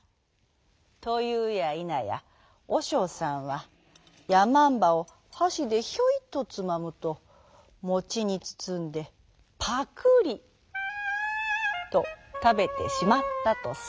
というやいなやおしょうさんはやまんばをはしでヒョイとつまむともちにつつんでパクリとたべてしまったとさ。